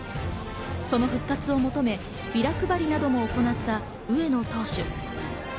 その復活を求め、ビラ配りなども行った上野投手。